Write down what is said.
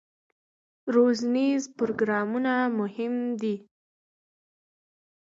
روزنیز پروګرامونه مهم دي